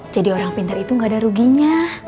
jadi orang pintar itu gak ada ruginya